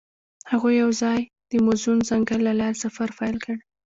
هغوی یوځای د موزون ځنګل له لارې سفر پیل کړ.